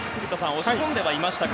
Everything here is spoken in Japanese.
押し込んではいましたが。